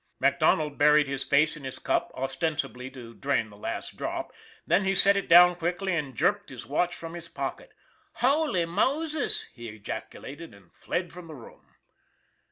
MacDonald buried his face in his cup, ostensibly to drain the last drop, then he set it down quickly and jerked his watch from his pocket. "Holy Moses!" he ejaculated, and fled from the room.